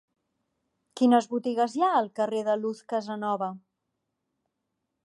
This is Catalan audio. Quines botigues hi ha al carrer de Luz Casanova?